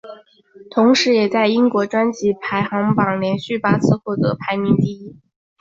同时也在英国专辑排行榜连续八次获得排名第一。